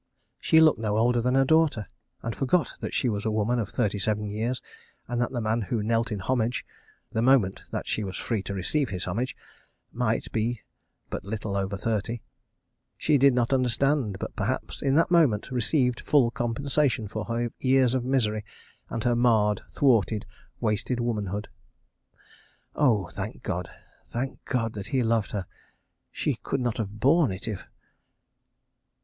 She looked no older than her own daughter—and forgot that she was a woman of thirty seven years, and that the man who knelt in homage (the moment that she was free to receive his homage!) might be but little over thirty. She did not understand—but perhaps, in that moment, received full compensation for her years of misery, and her marred, thwarted, wasted womanhood. Oh, thank God; thank God, that he loved her ... she could not have borne it if